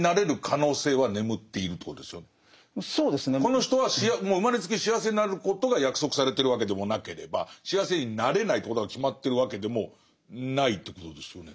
この人は生まれつき幸せになることが約束されてるわけでもなければ幸せになれないということが決まってるわけでもないということですよね。